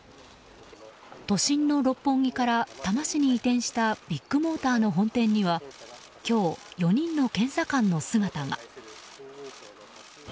都心の六本木から多摩市に移転したビッグモーターの本店には今日、４人の検査官の姿が。